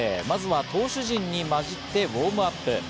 まずは投手陣にまじってウオームアップ。